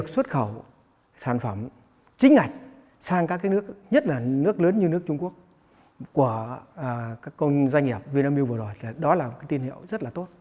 xuất khẩu sản phẩm chính ngạch sang các nước nhất là nước lớn như nước trung quốc của các doanh nghiệp vinamil vừa rồi đó là tin hiệu rất là tốt